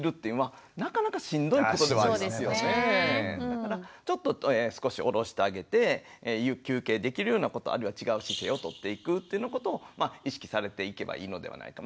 だからちょっと少しおろしてあげて休憩できるようなことあるいは違う姿勢をとっていくっていうようなことを意識されていけばいいのではないか。